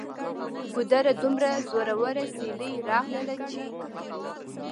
ګودره! دومره زوروره سیلۍ راغلله چې